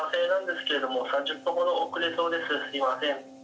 すみません。